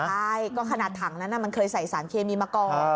ใช่ก็ขนาดถังนั้นมันเคยใส่สารเคมีมาก่อน